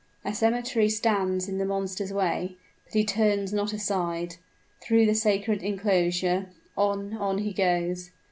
A cemetery stands in the monster's way, but he turns not aside through the sacred inclosure on, on he goes.